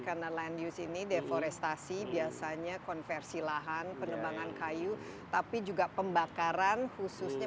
karena land use ini deforestasi biasanya konversi lahan penebangan kayu tapi juga pembakaran khususnya